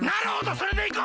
それでいこう！